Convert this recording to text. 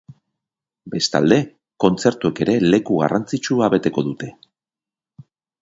Bestalde, kontzertuek ere leku garrantzitsua beteko dute.